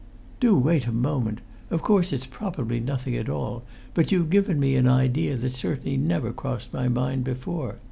"Do wait a moment! Of course it's probably nothing at all; but you've given me an idea that certainly never crossed my mind before.